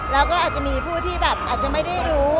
แล้วก็อาจจะมีผู้ที่แบบอาจจะไม่ได้รู้